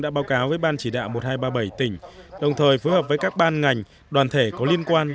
đã báo cáo với ban chỉ đạo một nghìn hai trăm ba mươi bảy tỉnh đồng thời phối hợp với các ban ngành đoàn thể có liên quan